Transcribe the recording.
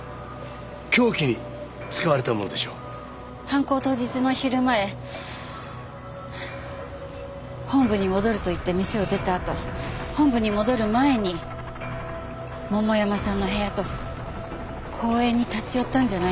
犯行当日の昼前本部に戻ると言って店を出たあと本部に戻る前に桃山さんの部屋と公園に立ち寄ったんじゃないんですか？